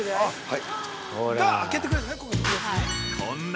◆はい！